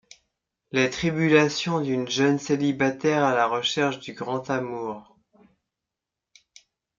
Les tribulations d'une jeune célibataire à la recherche du Grand Amour.